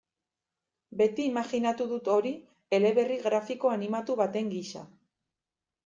Beti imajinatu dut hori eleberri grafiko animatu baten gisa.